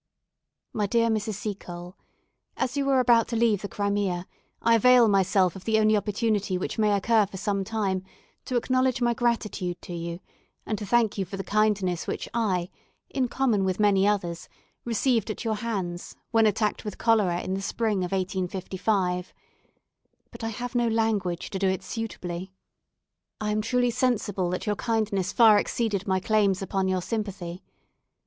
"My dear Mrs. Seacole, As you are about to leave the Crimea, I avail myself of the only opportunity which may occur for some time, to acknowledge my gratitude to you, and to thank you for the kindness which I, in common with many others, received at your hands, when attacked with cholera in the spring of 1855. But I have no language to do it suitably. "I am truly sensible that your kindness far exceeded my claims upon your sympathy.